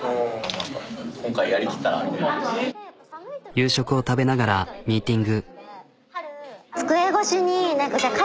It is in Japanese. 夕食を食べながらミーティング。